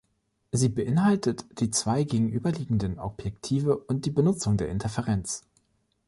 Sie beinhaltet die zwei gegenüberliegenden Objektive und die Benutzung der Interferenz.